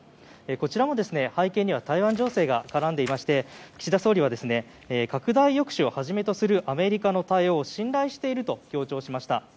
こちらも背景には台湾情勢が絡んでいまして岸田総理は拡大抑止をはじめとするアメリカの対応を信頼していると強調しました。